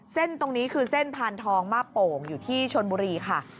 เส้นตรงนี้คือเส้นพานทองมาโป่งอยู่ที่ชนบุรีค่ะ